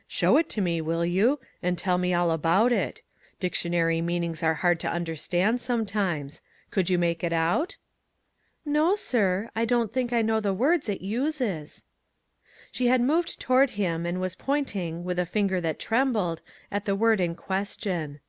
" Show it to me, will you ? and tell me all about it. Dictionary meanings are hard to understand, sometimes. Could you make it out?" 9 1 MAG AND MARGARET " No, sir ; I don't think I know the words it uses." She had moved toward him and was point ing, with a finger that trembled, at the word in question.